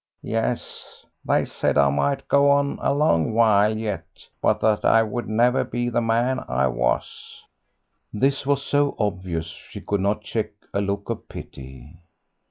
"Yes; they said I might go on a long while yet, but that I would never be the man I was." This was so obvious she could not check a look of pity.